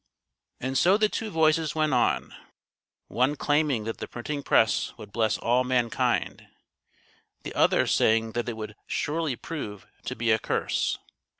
And so the two voices went on, one claiming that the printing press would bless all mankind, the other saying that it would surely prove to be a curse.